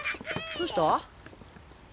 どうした？